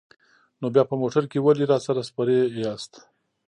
نو بیا په موټر کې ولې راسره سپرې یاست؟